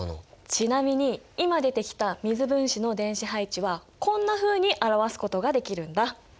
ちなみに今出てきた水分子の電子配置はこんなふうに表すことができるんだ。